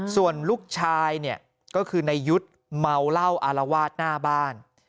ส่วนลูกชายเนี่ยก็คือนายยุทธ์เมาเหล้าอารวาสหน้าบ้าน